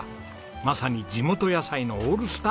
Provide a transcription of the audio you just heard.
まさに地元野菜のオールスター。